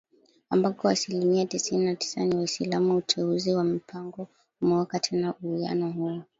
ambako asilimia tisini na tisa ni WaislamuUteuzi wa Mpango umeweka tena uwiano huo